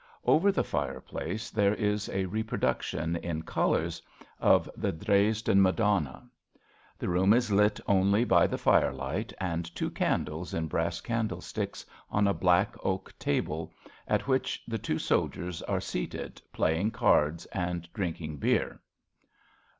Over the fireplace there is a repro duction in colours of the Dresden 9 RADA Madonna. The room is lit only by the firelight and two candles in brass candlesticks, on a black oak table, at tvhich the tivo soldiers are seated, playing cards and drinking beer.